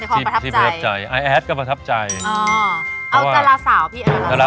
ประทับใจมากที่สุดหรอครับ